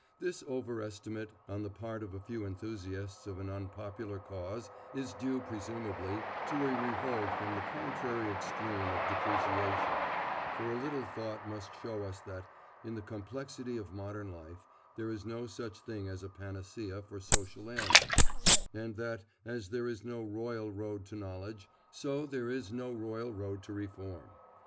This over estimate on the part of a few enthusiasts of an unpopular cause is due, presumably, to a revolt from the contrary extreme of depreciation; for a little thought must show us that, in the complexity of modern life, there is no such thing as a panacea for social ailments, and that, as there is no royal road to knowledge, so there is no royal road to reform.